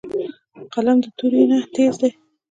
قلم د تورې نه تېز دی